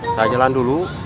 saya jalan dulu